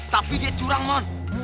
tapi dia curang mom